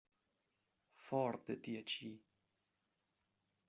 For de tie ĉi!